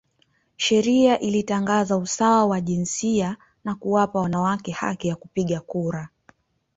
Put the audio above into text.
Sheria ilitangaza usawa wa jinsia na kuwapa wanawake haki ya kupiga kura.